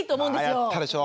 あやったでしょ？